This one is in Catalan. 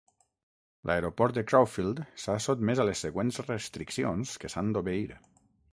L'aeroport de Crowfield s'ha sotmès a les següents restriccions que s'han d'obeir.